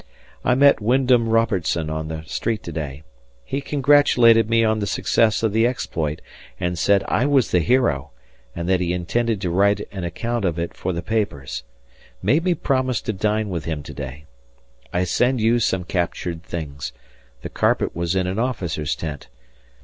I met Wyndham Robertson on the street to day. He congratulated me on the success of the exploit, and said I was the hero, and that he intended to write an account of it for the papers, made me promise to dine with him to day. I send you some captured things, the carpet was in an officer's tent.